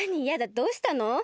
やだどうしたの？